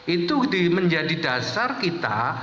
itu menjadi dasar kita